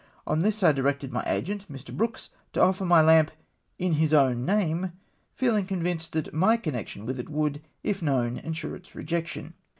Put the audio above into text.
On this I directed my agent, Mr. Brooks, to offer my lamp in his own name, feehng convinced that my connection with it would, if known, ensure its rejection.